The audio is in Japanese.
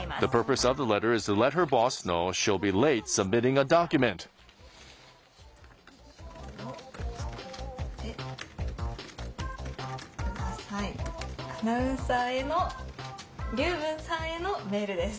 アナウンサーの龍文さんへのメールです。